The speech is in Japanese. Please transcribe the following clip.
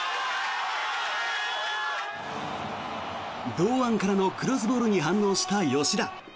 堂安からのクロスボールに反応した吉田。